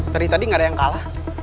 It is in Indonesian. dari tadi gak ada yang kalah